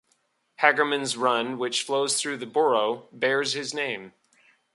Hagermans Run, which flows through the borough, bears his name.